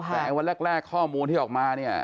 แต่แรกข้อมูลที่ออกมา